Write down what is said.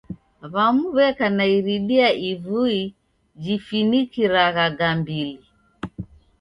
W'amu w'eka na iridia ivui jifinikiragha gambili.